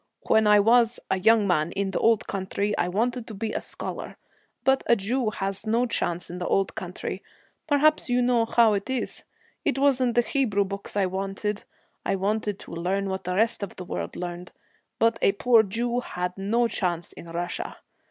When I was a young man, in the old country, I wanted to be a scholar. But a Jew has no chance in the old country; perhaps you know how it is. It wasn't the Hebrew books I wanted. I wanted to learn what the rest of the world learned, but a poor Jew had no chance in Russia.